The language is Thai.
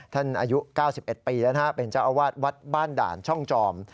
อายุ๙๑ปีแล้วนะฮะเป็นเจ้าอาวาสวัดบ้านด่านช่องจอม